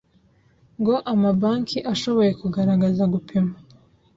ngo amabanki ashobore kugaragaza gupima